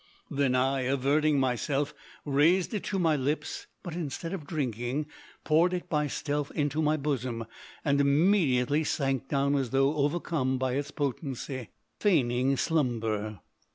Then I, averting myself, raised it to my lips, but instead of drinking, poured it by stealth into my bosom, and immediately sank down as though overcome by its potency, feigning slumber.